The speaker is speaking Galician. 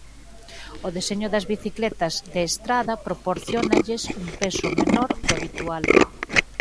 O deseño das bicicletas de estrada proporciónalles un peso menor do habitual.